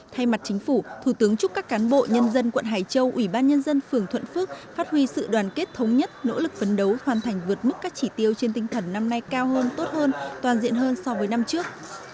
thay mặt chính phủ thủ tướng chúc các cán bộ nhân dân quận hải châu ủy ban nhân dân phường thuận phước phát huy sự đoàn kết thống nhất nỗ lực phấn đấu hoàn thành vượt mức các chỉ tiêu trên tinh thần năm nay cao hơn tốt hơn toàn diện hơn so với năm trước